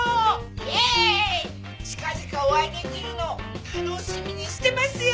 近々お会いできるのを楽しみにしてますよ。